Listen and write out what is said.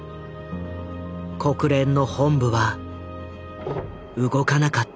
国連の本部は動かなかった。